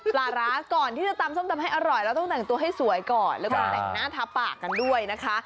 ปลาร้าก่อนที่จะตำส้มตำให้อร่อยเราต้องแต่งตัวให้สวยก่อนแล้วก็แต่งหน้าทาปากกันด้วยนะคะ